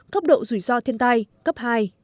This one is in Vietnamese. cấp độ rủi ro thiên tai cấp hai